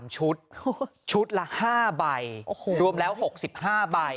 ชุดชุดละ๕ใบรวมแล้ว๖๕ใบ